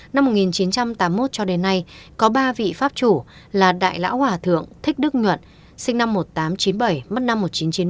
năm một nghìn chín trăm tám mươi một cho đến nay có ba vị pháp chủ là đại lão hòa thượng thích đức nhuận sinh năm một nghìn tám trăm chín mươi bảy mất năm một nghìn chín trăm chín mươi